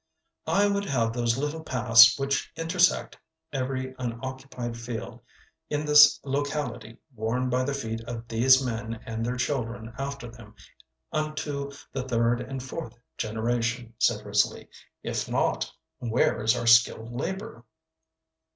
"I would have those little paths which intersect every unoccupied field in this locality worn by the feet of these men and their children after them unto the third and fourth generation," said Risley. "If not, where is our skilled labor?"